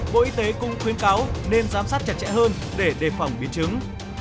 bộ y tế cũng khuyến cáo nên giám sát chặt chẽ hơn để đề phòng biến chứng